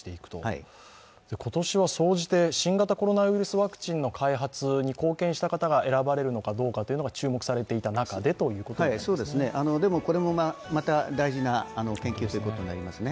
今年は総じて新型コロナウイルスワクチンの開発に貢献した方が選ばれるのかどうかが注目されていた中でということですね。